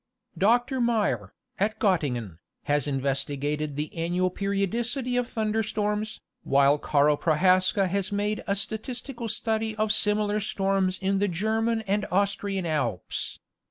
Dr. Meyer, at Gottingen, has investigated the annual periodic ity of thunder storms, while Carl Prohaska has made a statistical study of similar storms in the German and Austrian Alps.